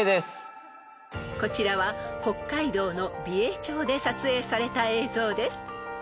［こちらは北海道の美瑛町で撮影された映像です］